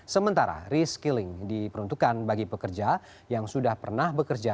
sementara reskilling diperuntukkan bagi pekerja yang sudah pernah bekerja